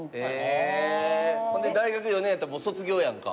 ほんで大学４年やったらもう卒業やんか。